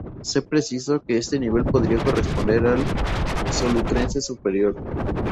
Se precisó que este nivel podría corresponder al Solutrense Superior.